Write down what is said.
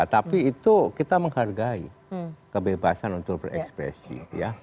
tapi itu kita menghargai kebebasan untuk berekspresi ya